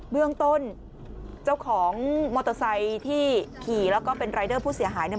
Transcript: เบื้องต้นเจ้าของมอเตอร์ไซค์ที่ขี่แล้วก็เป็นรายเดอร์ผู้เสียหายเนี่ย